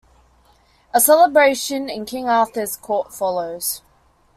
A celebration in King Arthur's court follows.